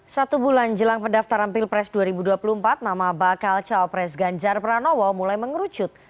satu bulan jelang pendaftaran pilpres dua ribu dua puluh empat nama bakal cawapres ganjar pranowo mulai mengerucut